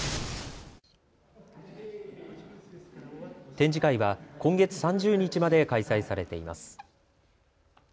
展示会は今月３０日まで開催されています。